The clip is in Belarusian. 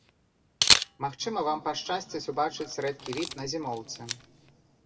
Магчыма, вам пашчасціць убачыць рэдкі від на зімоўцы.